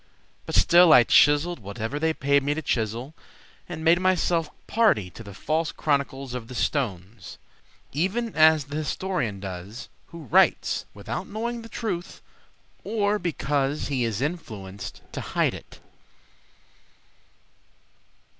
But still I chiseled whatever they paid me to chisel And made myself party to the false chronicles Of the stones, Even as the historian does who writes Without knowing the truth, Or because he is influenced to hide it.